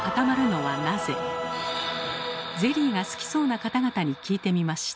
ゼリーが好きそうな方々に聞いてみました。